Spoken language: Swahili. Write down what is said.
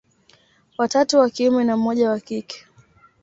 Watatu wa kiume na mmoja wa kike